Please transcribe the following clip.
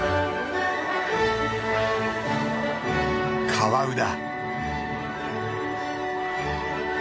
カワウだ。